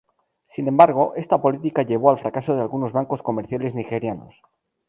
Sin embargo, esta política llevó al fracaso de algunos bancos comerciales nigerianos.